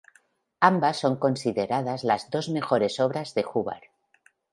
Ambas son consideradas las dos mejores obras de Hubbard.